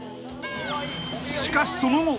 ［しかしその後］